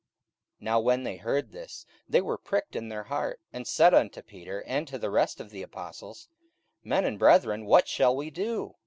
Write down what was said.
44:002:037 Now when they heard this, they were pricked in their heart, and said unto Peter and to the rest of the apostles, Men and brethren, what shall we do?